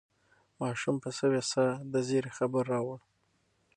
ماشوم په سوې ساه د زېري خبر راوړ.